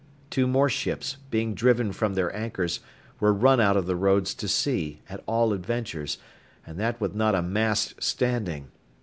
Two more ships, being driven from their anchors, were run out of the Roads to sea, at all adventures, and that with not a mast standing.